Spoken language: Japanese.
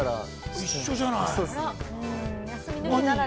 ◆一緒じゃない？